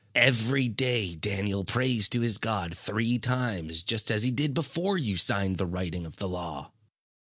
Every day Daniel prays to his God three times, just as he did before you signed the writing of the law."